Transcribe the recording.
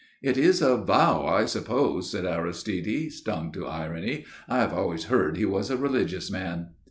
"It was a vow, I suppose," said Aristide, stung to irony. "I've always heard he was a religious man."